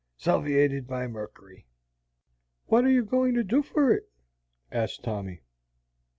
Salviated by merkery." "What are you goin' to do for it?" asked Tommy.